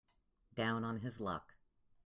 Down on his luck.